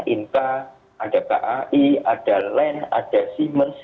inpa ada kai ada len ada siemens